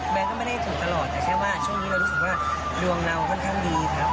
ก็ไม่ได้ถูกตลอดแต่แค่ว่าช่วงนี้เรารู้สึกว่าดวงเราค่อนข้างดีครับ